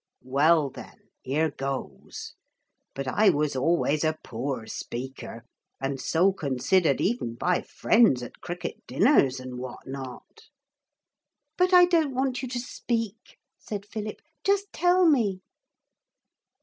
'Well then. Here goes. But I was always a poor speaker, and so considered even by friends at cricket dinners and what not.' 'But I don't want you to speak,' said Philip; 'just tell me.'